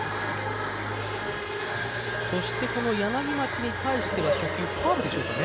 そしてこの柳町に対しては初球はカーブでしょうかね。